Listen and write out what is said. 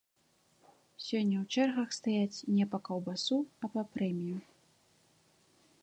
Сёння ў чэргах стаяць не па каўбасу, а па прэмію.